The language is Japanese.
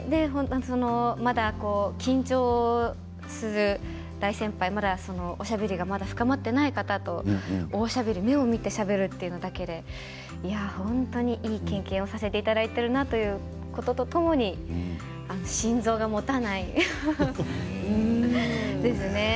緊張する大先輩おしゃべりがまだ深まっていない方とおしゃべり、目を見てしゃべるというだけで本当にいい経験をさせていただいているなということとともに心臓がもたないですね。